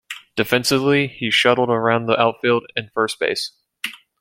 Defensively he shuttled around the outfield and first base.